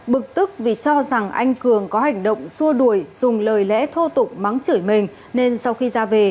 bực tức vì cho rằng anh cường có hành động xua đuổi dùng lời lẽ thô tục mắng chửi mình nên sau khi ra về